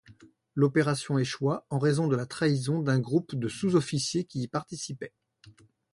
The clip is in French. L'opération échoua en raison de la trahison d'un groupe de sous-officiers qui y participait.